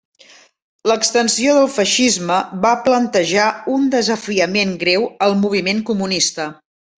L'extensió del feixisme va plantejar un desafiament greu al moviment comunista.